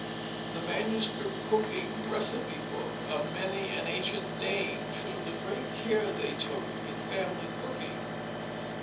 The manuscript cooking receipt book of many an ancient dame shows the great care they took in family cooking.